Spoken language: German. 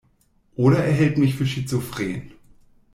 Oder er hält mich für schizophren.